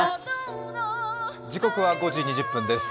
時刻は５時２０分です。